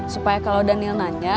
supaya kalau daniel nanya